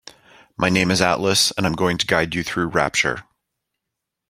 My name is Atlas and I'm going to guide you through Rapture.